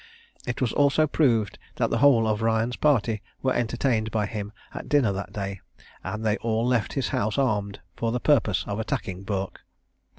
It was also proved that the whole of Ryan's party were entertained by him at dinner that day, and they all left his house armed, for the purpose of attacking Bourke.